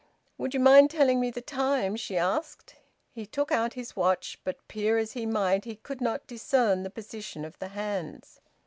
"Would you mind telling me the time?" she asked. He took out his watch, but peer as he might, he could not discern the position of the hands.